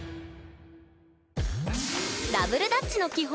ダブルダッチの基本！